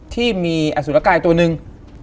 ที่มีอสุรกายตัวหนึ่ง